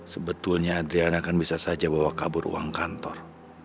sebetulnya adriana kan bisa saja bawa kabur uang kantor